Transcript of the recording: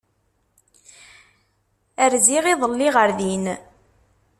Rziɣ iḍelli ɣer din.